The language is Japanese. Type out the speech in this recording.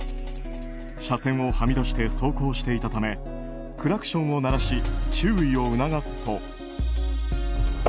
車線をはみ出して走行していたためクラクションを鳴らし注意を促すと。